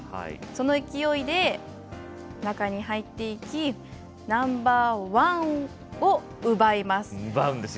その勢いで中に入っていきナンバーワンを奪います。